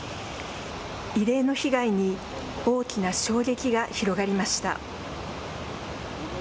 異例の被害に大きな衝撃が広がりました。